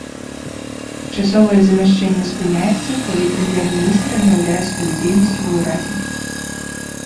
Часовае замяшчэнне спыняецца, калі прэм'ер-міністр аднаўляе сваю дзейнасць ва ўрадзе.